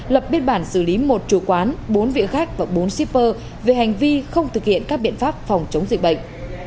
lập biên bản xử lý một chủ quán bốn vị khách và bốn shipper về hành vi không thực hiện các biện pháp phòng chống dịch bệnh